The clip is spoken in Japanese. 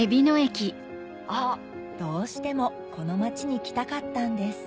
どうしてもこの町に来たかったんです